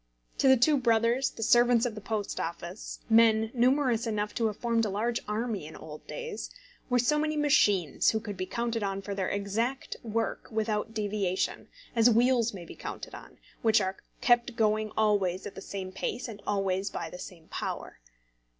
To the two brothers the servants of the Post Office, men numerous enough to have formed a large army in old days, were so many machines who could be counted on for their exact work without deviation, as wheels may be counted on, which are kept going always at the same pace and always by the same power.